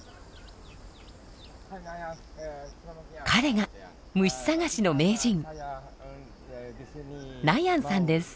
彼が虫探しの名人。